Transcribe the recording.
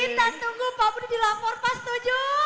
kita tunggu pak budi lapor pak setuju